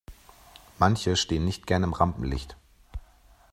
Manche stehen nicht gerne im Rampenlicht.